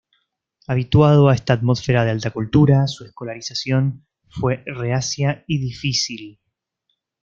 Habituado a esta atmósfera de alta cultura, su escolarización fue reacia y difícil.